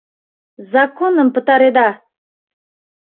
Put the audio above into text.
Законым пытареда!